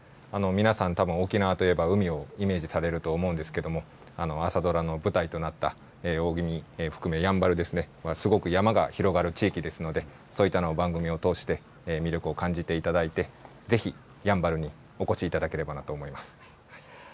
皆さん、たぶん沖縄といえば海をイメージされると思うんですけども、朝ドラの舞台となった大宜味含めやんばるですね、は、すごく山が広がる地域ですので、そういったのを番組を通して魅力を感じていただいて、ぜひやんばるにお越しいただければなと思いま